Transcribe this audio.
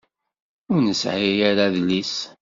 Ur nesɛi ara adlis.